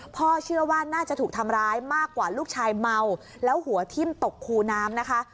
พ่อเชื่อว่าน่าจะถูกทำร้ายมากกว่าลูกชายเมาแล้วหัวทิ่มตกคูน้ำนะคะ